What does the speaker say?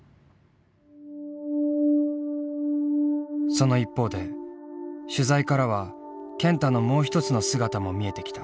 その一方で取材からは健太のもう一つの姿も見えてきた。